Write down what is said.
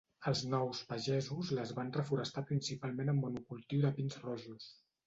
Els nous pagesos les van reforestar principalment amb monocultiu de pins rojos.